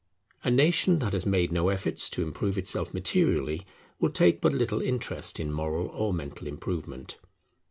A nation that has made no efforts to improve itself materially, will take but little interest in moral or mental improvement.